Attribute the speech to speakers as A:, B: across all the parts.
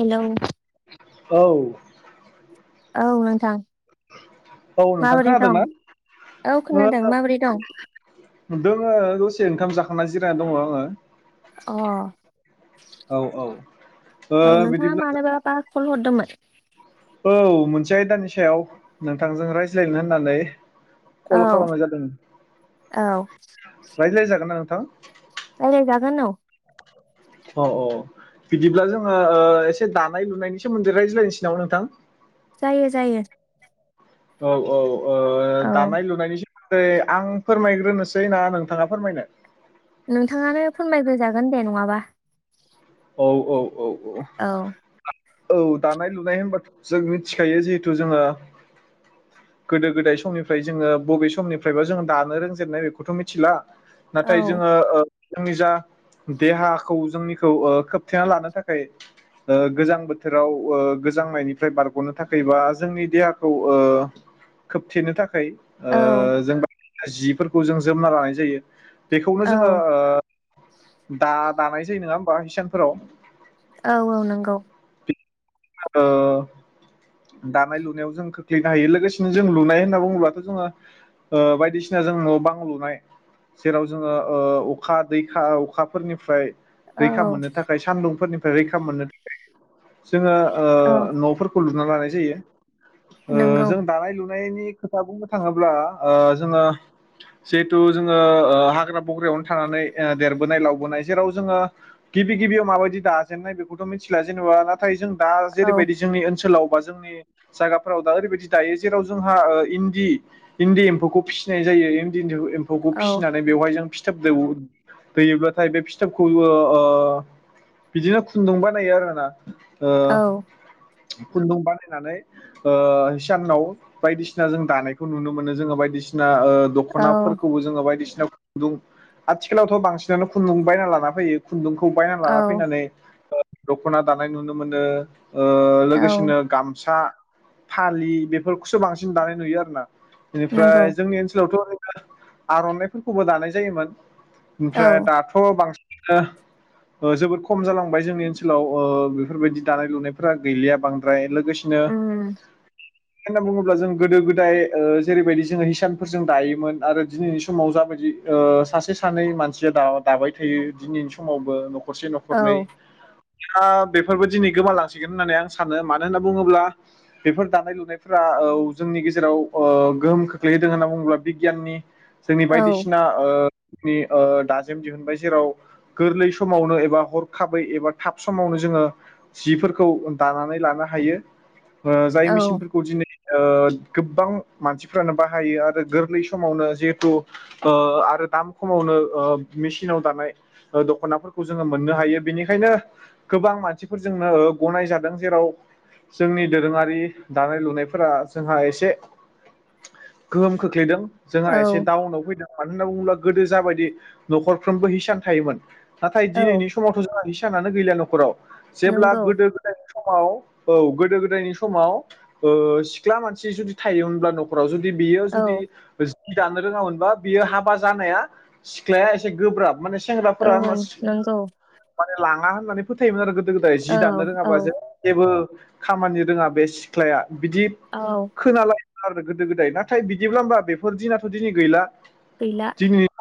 A: Hello.
B: औ।
A: औ नोंथां।
B: औ नोंथां
A: माबोरै दं?
B: खोनादोंना।
A: औ खोनादों माबोरै दं?
B: ओ दोङो दस से ओंखाम जाखांना जिरायना दङ आङो।
A: अह
B: औ औ ओ
A: औ नोंथाङा
B: बिदिब्ला
A: मानोबा बा कल हरदोंमोन?
B: औ मोनसे आयदानि सायाव नोंथांजों रायज्लायनो होननानै कल
A: औ
B: खालामनाय जादों
A: औ
B: रायलाय जागोन ना नोंथां?
A: रायलाय जागोन औ।
B: अ' अ'। बिदिब्ला जोङो ओ एसे दानाय लुनायनि सोमोन्दै रायज्लायनोसै नामा नोंथां।
A: जायो जायो।
B: औ औ ओ
A: औ
B: दानाय लुनायनि सो दै आं फोरमायग्रोनोसै ना नोंथाङा फोरमायनो?
A: नोंथाङानो फोरनमायग्रोजागोन दे नङाबा।
B: औ औ औ औ। औ दानाय लुनाय होनबाथ' जों मिथिखायो जेहेथु जोङो गोदो गोदाय समनिफ्राय जोङो बबे समनिफ्रायबा जोङो दानो रोंजेननाय बेखौथ' मिथिला।
A: औ
B: नाथाय जोङो जोंनि जा देहाखौ जोंनिखौ ओ खोबथेना लानो थाखाय‌ ओ गोजां बोथोराव ओ गोजांनायनिफ्राय बारग'नो थाखायबा जों जोंनि देहाखौ ओ खोबथेनो थाखाय ओ
A: औ
B: जों जिफोरखौ जों जोमना लानाय जायो बेखौनो जोङो
A: औ
B: दा दानाय जायो नङा होमबा हिसानफोराव।
A: औ-औ नंगौ।
B: ओ दानाय लुनायाव जों खोख्लैनो हायो लोगोसेनो जों लुनाय होनना बुङोब्लाथ जोङो बायदिसिना जों न' बां लुनाय जेराव जोङो ओ अखा दैखा अखाफोरनिफ्राय
A: औ
B: रैखा मोननो थाखाय सान्दुंफोरनिफ्राय रैखा मोननो थाखाय जोङो ओ
A: औ
B: न'फोरखौ लुना लानाय जायो
A: नंगौ
B: जों दानाय लुनाय नि खोथा बुंनो थाङोब्ला जोङो जिहेथु जोङो ओ हाग्रा बंग्रायावनो थानानै देरबोनाय लावबोनाय जेराव जोङो गिबि गिबियाव माबायदि दाजेननाय बेखौथ' मिथिला जेनेबा नाथाय जों दा
A: औ
B: जेरैबायदि जोंनि ओनसोलाव जोंनि जायाफोराव दा ओरैबायदि दायो जेराव जोंहादि इन्दि इन्दि एम्फौखौ फिसिनाय जायो। इन्दि
A: औ
B: एम्फौखौसिनानै बेहाय जों फिथोब होयो होयोब्लााथाय बे फिथाबखौ ओ बिदिनो खुन्दुं बानायो आरोना ओ
A: औ
B: खुन्दुं बानायनानै ओ हिसानाव बायदिसिना जों दानायखौ नुनो मोनो जोङो बायदिसिना। ओ
A: औ
B: दख'नाबो जोङो बायदिसिना [unintelligible] आथिखालावथ' बांसिनानो खुन्दुं बायना लाना फैयो। खुन्दुंखौ बायनानै
A: औ
B: लाना फैनानै ओ दखना दानाय नुनो मोनो। ओ
A: औ
B: लोगोसेनो गामसा फालि बेफोरखौसो बांसिन दानाय नुयो आरो ना।
A: नंगौ
B: बेनिफ्राय जोंनि ओनसोलावथ' ओरैनो आरनायफोरखौबो दानाय जायोमोन।
A: औ
B: ओमफ्राय दाथ' बांसिन ओ जोबोद खम जालांबाय जोंनि ओनसोलाव ओ बेफोरबायदि दानाय लुनायफोरा गैलिया बांद्राय लोगोसेनो
A: उम
B: मानो होनना बुङोब्ला जों गोदो गोदाय ओ जेरैबायदि जोङो हिसानफोरजों दायोमोन आरो दिनैनि समाव जाबायदि ओ सासे सानै मानसिया दाबाय थायो दिनैनि समावबो। न'खरसे
A: औ
B: न'खरनै [unintelligible] बेफोरबो दिनै गोमालांसिगोन होननानै आं सानो मानो होननानै बुङोब्ला बेफोर दानाय लुनायफोरा औ जों नि गेजेराव गोहोम खोख्लैहोदों होनना बुङोब्ला बिगियाननि जोंनि
A: औ
B: बायदिसिना ओ जोंनि दाजेम दिहुनबाय जेराव गोरलै समावनो एबा हरखाबै एबा थाब समावनो जोङो जिफोरखौ दानानै लानो हायो ओ जाय
A: औ
B: मेसिनफोरखौ दिनै ओ गोबां मानसिफ्रानो बाहायो आरो गोरलै समावनो जिहेथु ओ आरो दाम खमावनो ओ मेसिनाव दानाय दख'नाफोरखौ जोङो मोननो हायो बेनिखायनो गोबां मानसिफोरजोंनो गनाय जादों जेराव जोंनि दोरोङारि दानाय लुनायफोरा जोंहा एसे गोहोम खोख्लैदों जोंहा
A: औ
B: एसे दावउनाव फैदों मानो होनना बुङोब्ला गोदो जाबायदि न'खरफ्रोमबो हिसान थायोमोन नाथाय
A: औ
B: दिनैनि समावथ' जोंहा हिसानानो गैला न'खराव जेब्ला
A: नंगौ
B: गोदो गोदाय समाव औ गोदो गोदायनि समाव सिख्ला मानसि जुदि थायो होनब्ला नखराव जुदि बेयो जुदि
A: औ
B: दानो रोङामोनबा बियो हाबा जानाया सिख्लाया एसे गोब्राब माने [unintelligible]
A: औ नंगौ
B: लाङा होननानै फोथायोमोन आरो गोदो गोदाय जि
A: औ
B: दाननो
A: औ
B: रोङाबा जे जेबो खामानि रोङा बे सिख्लाया बिदि
A: औ
B: खोनालाय आरो गोदो गोदाय नाथाय बिदिब्ला होबा बेफोर दिनाथ' दिनै गैला
A: गैला
B: दिननिथ'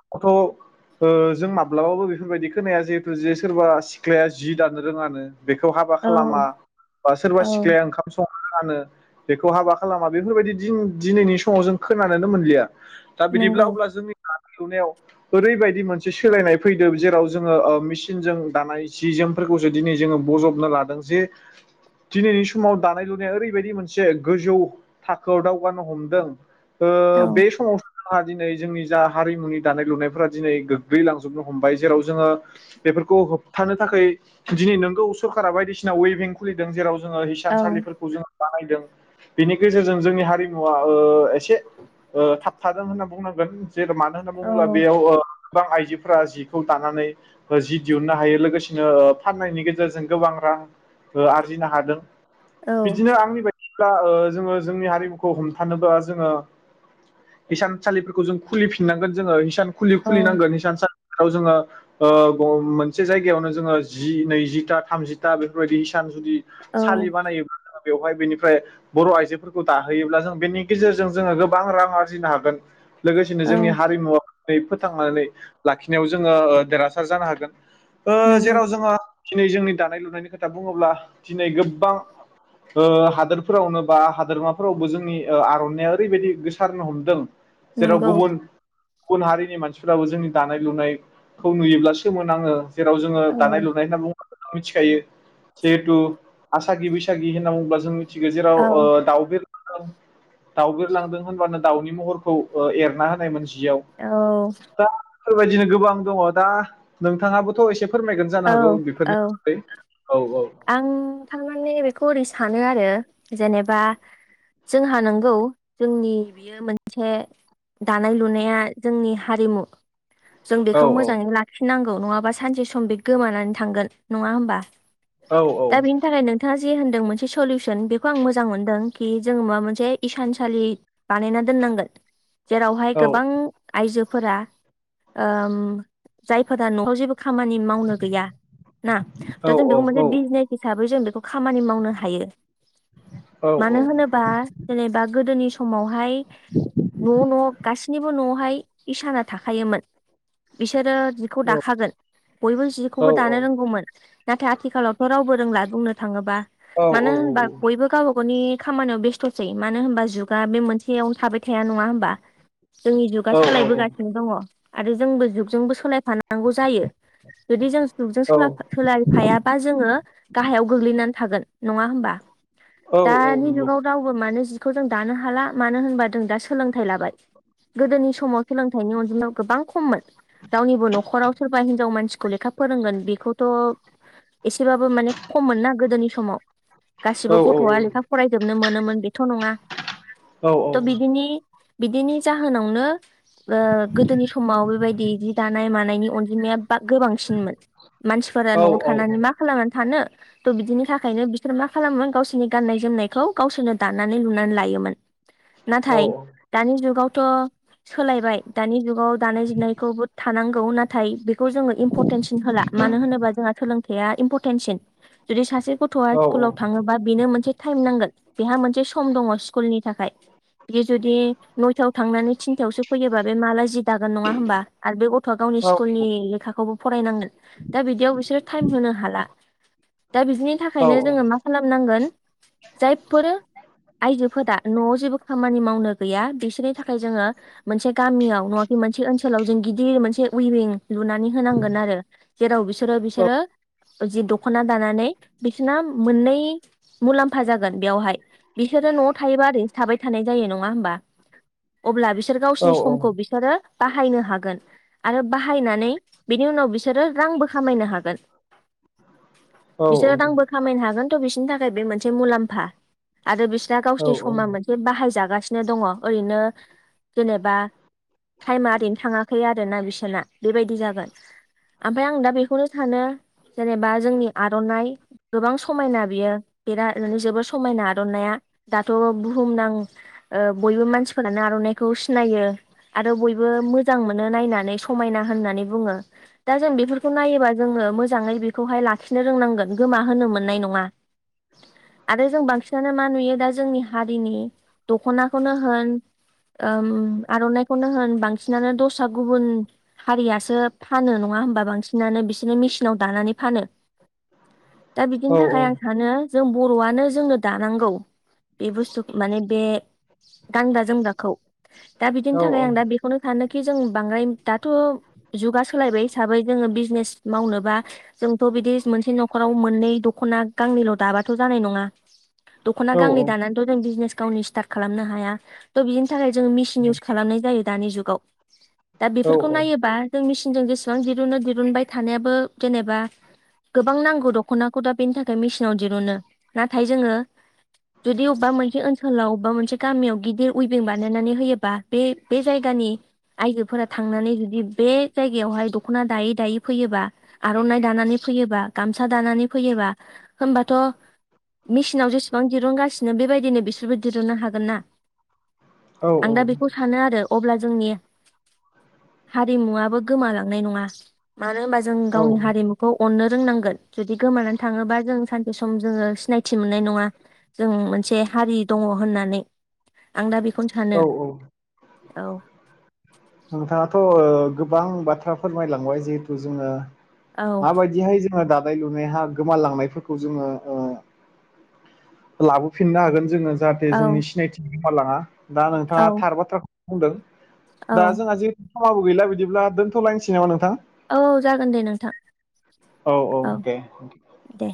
B: जों माब्लाबाबो बेफोरबायदि खोनाया जिहेतु जे सोरबा सिख्लाया जि दानो रोङानो बेखौ हाबा
A: औ
B: खालामा बा सोरबा
A: औ
B: सिख्लाया ओंखाम सं- नोरोङानो बेखौ हाबा खालामा बेफोरबायदि दि दिनैनि समाव जों खोनानोनो मोनलिया दा बिदिब्ला
A: नंगौ
B: अब्ला जोंनिया लुनायाव ओरैबायदि मोनसे सोलायनाय फैदों जेराव जोङो ओ मेसिनजों दानाय जि जोमफोरखौ जों दिनै जोङो बज'बनो लादों जे दिनैनि समाव दानाय लुनाया ओरैबायदि मोनसे गोजौ थाखोआव दावगानो हमदों ओ
A: औ
B: बे समाव हा दिनै जोंनि जा हारिमुनि दानाय लुनायफोरा दिनै गोग्लैलांजोबबाय जेराव जोङो बेफोर खौ होबथानो थाखै दिनै नोंगौ सरकारा बायदिसिना वेवबिं खुलिदों जेराव जोङो
A: औ
B: हिसानसालिफोरखौ जोङो बानायदों बेनि गेजेरजों जोंनि हारिमुवा ओ एसे ओ थाबथादों होनना बुंनांगोन जे मानो होनना
A: औ
B: बुङोब्ला बेयाव ओ गोबां आइजोफोरा जिखौ दानानै ओ जि दिहुननो हायो लोगोसेनो फाननायनि गेजेरजों गोबां रां ओ आरजिनो हादों
A: औ
B: बिदिनो आंनि बायदि दा ओ जोङो जोंनि हारिमुखौ हमथानोबा जोङो हिसानसालिफोरखौ जों खुलिफिनांगोन जोङो हिसान खुलि
A: औ
B: खुलिनांगोन इसान सालिफोराव जोङो ओ मोनसे जायगायावनो जोङो जि नैजिथा थामजिथा बेफोरबायदि इसान जुदि
A: औ
B: सालि बानायोब्ला बेवहाय बेनिफ्राय बर' आइजोफोरखौ दाहोयोब्ला जों बेनि गेजेरजों जोङो गोबां रां आरजिनो हागोन लोगोसेनो
A: औ
B: जोंनि हारिमुवा दिनै फोथांनानै लाखिनायाव जोङो देरहासार जानो हागोन ओ
A: नोंगौ
B: जेराव जोङो दिनै जोंनि दानाय लुनायनि खोथा बुङोब्ला दिनै गोबां ओ हादोरफोरावनो बा हादोरमाफोरावबो जोंनि आर'नाइया ओरैबायदि गोसारनो हमदों जेराव
A: नंगौ
B: गुबुन गुबुन हारिनि मानसिफ्राबो जोंनि दानाय लुनायखौ नुयोब्ला सोमोनाङो जेराव जों
A: औ
B: दानाय लुनाय होनना बुङोब्ला मिथिखायो जिहेथु आसागि बैसागि होनना बुङोब्ला जों थिगो जेराव
A: औ
B: दाउ दाउ बिरलांदों होनबानो दाउनि महरखौ एरना होनाय मोनसे
A: औ
B: बेफोरबायदिनो गोबां दङ दा नोंथाङाबोथ' एसे फोरमायगोन जानो हागौ
A: औ
B: बेफोरनि [unintelligible]
A: आं थारमाने बेखौ ओरै सानो आरो जेनेबा जोंहा नंगौ जोंनि बियो मोनसे दानाय लुनाया जोंनि हारिमु जों
B: औ
A: बेखौ मोजाङै लाखिनांगौ नङाबा सानसे सम बे गोमानानै थांगोन नङा होमबा
B: औ औ
A: दा बेनि थाखाय नोंथां होनदों मोनसे सलुसन बेखौ आं मोजां मोनदों कि जोङो माबा मोनसे इसानसालि बानायना दोन नांगोन जेरावहाय गोबां आइजो फोरा ओ जायफोरा न'आव जेबो खामानि मावनो गैया ना त
B: औ
A: जों
B: औ
A: बेखौ मोनसे
B: औ
A: बिजनेस हिसाबै जों बेखौ खामानि मावनो हायो
B: औ नंगौ औ
A: मानो होनोबा जेनेबा गोदोनि सम समावहाय न' न' गासैनिबो न'आवहाय इसाना थाखायोमोन। बिसोरो जिखौ दाखागोन बयबो जिखौबो दानो
B: औ
A: रोंगौमोन। नाथाय आथिखालावथ' रावबो रोंला बुंनो थाङोबा मानो होनबा बयबो गावबा गावनि खामानियाव बेस्थ'सै मानो होनबा जुगा बे मोनसेयावनो थाबाय थाया नङा होमबा जोंनि जुगा सोलायबोगासिनो दङ आरो जोंबो जुगजोंबो सोलाय फानांगौ जायो जुदि जों जुगजों सोलायफा सोलाय फायाबा जोङो गाहायाव गोग्लैनानै थागोन नङा होमबा दानि जुगाव रावबो मानो जिखौ जों दानो हाला मानो होनबा जों दा सोलोंथाइ लाबाय। गोदोनि समाव सोलोंथाइनि अनजिमायाव गोबां खममोन गावनिबो नखराव सोरबा हिन्जाव मानसिखौ लेखा फोरोंगोन बेखौथ' एसेबाबो माने खममोन ना गोदोनि समाव। गासिबो गथ'आ लेखा फरायजोबनो मोनोमोन बेथ' नङा थ' बिदिनि बिदिनि जाहोनावनो ओ गोदोनि समाव बेबायदि जि दानाय मानायनि अनजिमाया बा गोबांसिनमोन मानसिफोरा न'आव थानानै मा खालामनानै थानो थ' बिदिनि थाखायनो बिसोर मा खालामोमोन गावसोरनि गाननाय-जोमनायखौ गावसोरनो दानानै लुनानै लायोमोन। नाथाय दानि जुगावथ' सोलायबाय दानि जुगाव दानाय जुनायखौबो थानांगौ नाथाय बेखौ जोङो इम्परटेन्स सिन होला मानो होनोबा जोंहा खोथाया इम्परटेन्टसिन जुदि सासे गथआ स्कुलाव थाङोबा बेनो मोनसे टाइम नांगोन। बेहा मोनसे सम दङ स्कुलनि थाखाय । बे जुदि नयथायाव थांनानै थिनथायावसो फैयोबा बे माला जि दागोन नङा होनबा आरो बे गथ'आ गावनि स्कुलनि लेखाखौबो फरायनांगोन दा बिदियाव बिसोरो टाइम होनो हाला दा बिदिनि थाखायनो जोङो मा खालामनांगोन जायफोर आयजोफोरा न'आव जेबो खामानि मावनो गैया बिसोरनि थाखाय जोङो मोनसे गामियाव नङाखि मोनसे ओन्सोलाव ओन्सोलाव जों गिदिर मोनसे उइभिं लुनानै होनांगोन आरो जेराव बिसोर बिसोरो जि, दखना दानानै बिसोरना मोननै मुलाम्फा जागोन बेवहाय बिसोरो न'आव थायोबा ओरैनोसो थाबाय थानाय जायो। नङा होमबा अब्ला बिसोर गावसोरनि समखौ बिसोरो बाहायनो हागोन आरो बाहायनानै बेनि उनाव बिसोरो रांबो खामायनो हागोन। बिसोरो रांबो खामायनो हागोन थ' बिसोरनि थाखाय बे मोनसे मुलाम्फा आरो बिसिना गावसोरनि समा मोनसे बाहायजागासिनो दङ ओरैनो जेनेबा टाइमा ओरैनो थाङाखै आरोना बिसोरना बेबायदि जागोन ओमफ्राय आं दा बेखौनो सानो जेनेबा जोंनि आरनाय गोबां समायना बियो बेरा ओरनो जोबोर समायना आरनाया दाथ' बुहुमनां ओ बयबो मानसिफोरानो आरनायखौ सिनायो आरो बयबो मोजां मोनो नायनानै समायना होननानै बुङो दा जों बेफोरखौ नायोबा जोङो मोजाङै बेखौहाय लाखिनो रोंनांगोन गोमा होनो मोननाय नङा ।
B: [unintelligible]
A: आरो जों बांसिननानो मा नुयो दा जोंनि हारिनि दखनाखौनो होन ओम आरनाइखौनो होन बांसिनानो दस्रा गुबुन हारियासो फानो नङा नङा होमाबा बांसिननानो बिसोरनि मेसिनाव दानानै फानो दा
B: औ
A: बिदिनि थाखाय आं सानो जों बर'आनो जोंनो दानांगौ बे बुस्थुखौ माने बे गानग्रा-जोमग्राखौ दा बिदिनि थाखाय आं दा बेखौनो सानो कि जों बांद्राय दाथ' जुगा सोलायबाय हिसाबै जोङो बिजनेस मावनोबा जोंथ' बिदि मोनसे नखराव मोननै दखना गांनैल दाबाथ' जानाय नङा। दखना गांनै दानानैथ' जों बिजनेस गावनि स्टार्ट खालामनो हाया' थ बि बिनि थाखाय जों मिचिन इउस खालामनाय जायो दानि जुगाव दा बेफोरखौ नायोबा जों मिचिन जों जेसेबां दिरुनो दिरुनबाय थानायाबो जेनेबा गोबां नांगौ दख'नाखौ दा बेनि थाखाय मेसिनाव दिरुनो नाथाय जोङो जुदि अबेबा मोनसे ओनसोलाव बबेबा मोनसे गामियाव गिदिर उइभिं बानायनानै होयोबा बे जायगा नि आइजोफोरा थांनानै जुदि बे जायगायावहाय दख'ना दायै दायै फैयोबा आर'नाइ दानानै फैयोबा गामसा दानानै फैयोबा होमबाथ' मेसिनाव जेसेबां दिरुनगासिनो बेबायदिनो बिसोरबो दहुननो हागोन ना। आं दा बेखौ सानो आरो अब्ला जोंनि हारिमुवाबो गोमालांनाय नङा। मानो होनबा जों
B: औ
A: गावनि हारिमुखौ अननो रोंनांगोन जुदि गोमानानै थाङोबा जों सानसे सम जोङो सिनायथि मोननाय नङा। जों मोनसे हारि दङ होननानै आं दा बेखौनो
B: औ
A: सानो औ।
B: नोंथाङाथ' गोबां बाथ्रा फोरमायलांबाय जिहेतु जोङो
A: औ
B: माबायदिहाय जोङो दा लुनाया गोमालांनायफोरखौ जोङो लाबोफिननो हागोन जोङो जाहाथे जोंनि
A: औ
B: सिनायथि गोमालाङा दा
A: औ
B: नोंथाङा थार बाथ्राखौ बुंदों।
A: औ
B: दा जोंहा जिहेथु समाबो गैला बिदिब्ला दोनथ'लायनोसै नामा नोंथां।
A: औ जागोन दे नोंथां
B: औ औ दे।
A: दे